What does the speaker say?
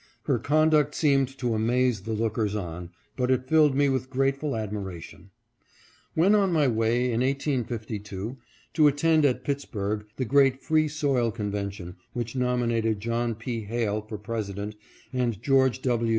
Her conduct seemed to amaze the lookers on, but it filled me with grateful admiration. When on my way, in 1852, to attend at Pittsburg the great Free Soil Convention which nominated John P. Hale for President and George W.